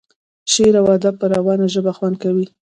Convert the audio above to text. شعر او ادب په روانه ژبه خوند کوي.